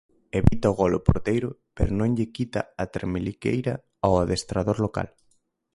Evita o gol o porteiro, pero non lle quita a tremeliqueira ao adestrador local.